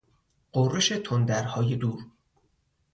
غرش تندرهای دور